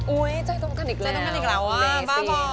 โอ้ยใจต้องการอีกแล้ว